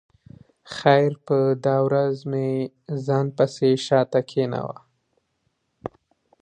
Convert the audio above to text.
خیر په دا ورځ مې ځان پسې شا ته کېناوه.